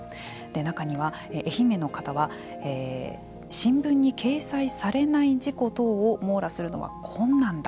中には、愛媛の方は新聞に掲載されない事故等を網羅するのは困難だ。